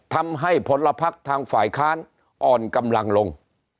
ทำให้ผลพักทางฝ่ายค้านอ่อนกำลังลง